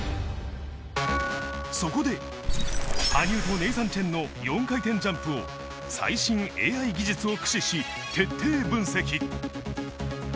そこで羽生とネイサン・チェンの４回転ジャンプを最新ＡＩ技術を駆使し徹底分析。